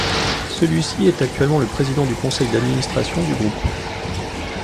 Celui-ci est actuellement le président du conseil d'administration du groupe.